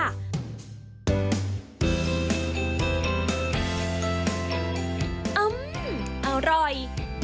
อื้มมมมอร่อย